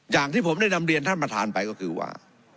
อย่างที่ผมได้นำเรียนท่านประธานไปก็คือว่า